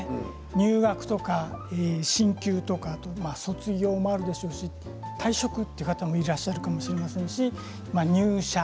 入学とか進級とか卒業もあるでしょうし退職という方もいらっしゃるかもしれませんし入社、